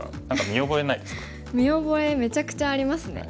見覚えめちゃくちゃありますね。